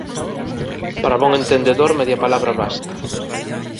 Para bon entendedor media palabra basta.